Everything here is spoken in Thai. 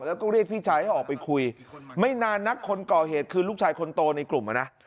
แล้วก็เรียกพี่ชายให้ออกไปคุยไม่นานนักคนก่อเหตุคือลูกชายคนโตในกลุ่มอ่ะนะ